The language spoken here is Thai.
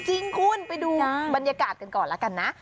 จริงคุณไปดูบรรยากาศกันก่อนแล้วกันนะ